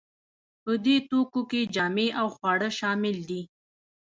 په دې توکو کې جامې او خواړه شامل دي.